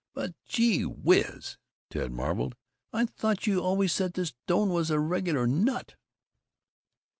"But, gee whiz," Ted marveled, "I thought you always said this Doane was a reg'lar nut!"